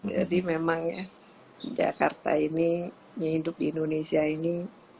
jadi memang ya jakarta ini yang hidup di indonesia ini